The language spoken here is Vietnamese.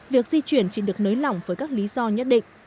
việc di chuyển chỉ được nới lỏng với các lý do nhất định